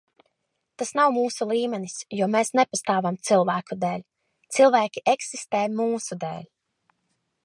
Tas nav mūsu līmenis, jo mēs nepastāvam cilvēku dēļ. Cilvēki eksistē mūsu dēļ.